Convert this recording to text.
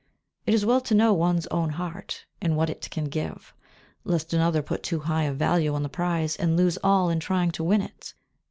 It is well to know one's own heart, and what it can give; lest another put too high a value on the prize and lose all in trying to win it.